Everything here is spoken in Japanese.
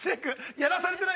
◆やらされてない？